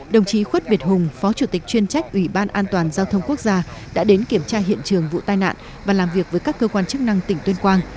đồng chí khuất việt hùng phó chủ tịch chuyên trách ủy ban an toàn giao thông quốc gia đã đến kiểm tra hiện trường vụ tai nạn và làm việc với các cơ quan chức năng tỉnh tuyên quang